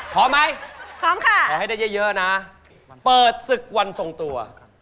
พร้อมไหมพร้อมค่ะขอให้ได้เยอะนะเปิดศึกวันทรงตัว